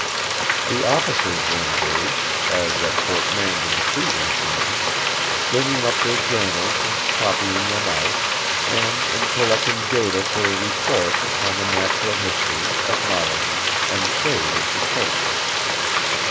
The officers were engaged, as at Fort Mandan the previous winter, bringing up their journals and copying them out, and in collecting data for a report upon the natural history, ethnology, and trade of the coast.